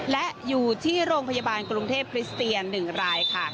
และอยู่ที่โรงพยาบาลกรุงเทพคริสเตียน๑รายค่ะ